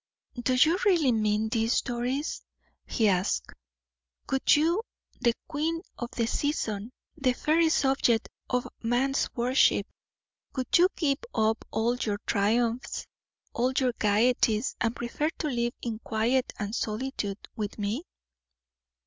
"Do you really mean this, Doris?" he asked. "Would you the queen of the season, the fairest object of man's worship would you give up all your triumphs, all your gayeties, and prefer to live in quiet and solitude with me?"